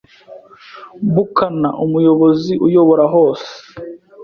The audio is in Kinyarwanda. buccaneer, umuyobozi uyobora hose.